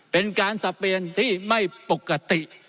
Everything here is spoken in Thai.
เป็นการสับเปลี่ยนที่ไม่ปกติ